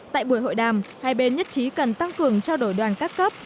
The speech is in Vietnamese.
tại buổi hội đàm hai bên nhất trí cần tăng cường trao đổi đoàn các cấp